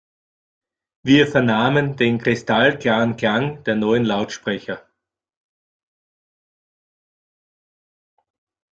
Wir vernahmen den kristallklaren Klang der neuen Lautsprecher.